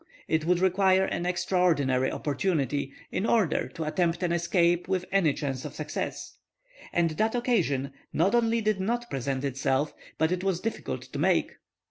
It would require an extraordinary opportunity in order to attempt an escape with any chance of success; and that occasion not only did not present itself, but it was difficult to make.